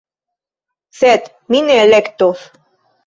Sed mi ne elektos